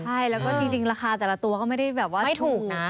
ใช่แล้วก็จริงราคาแต่ละตัวก็ไม่ได้แบบว่าไม่ถูกนะ